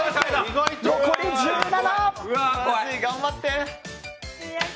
残り１７！